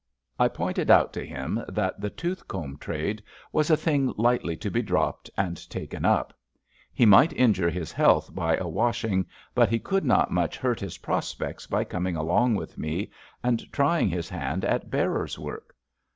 I pointed out to him that the tooth comb trade was a thing lightly to be dropped and taken up. He might injure his health by a washing, but he could not much hurt his prospects by coming along with me and trying his hand at bearer's work.